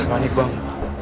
jangan panik bang